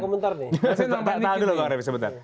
tahan dulu pak refi sebentar